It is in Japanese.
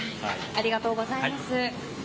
ありがとうございます。